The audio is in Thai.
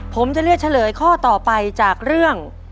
ผมจะเลือกเฉลยข้อต่อไปจากเรื่อง